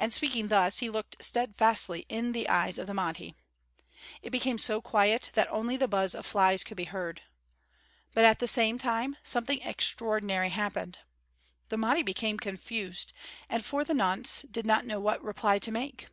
And speaking thus he looked steadfastly in the eyes of the Mahdi. It became so quiet that only the buzz of flies could be heard. But at the same time something extraordinary had happened. The Mahdi became confused, and for the nonce did not know what reply to make.